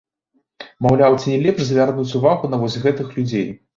Маўляў, ці не лепш звярнуць увагу на вось гэтых людзей?